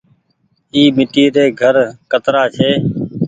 اي ميٽي ري گهر ڪترآ ڇي۔